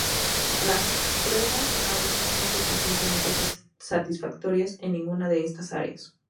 Las pruebas aún no son suficientemente satisfactorias en ninguna de estas áreas.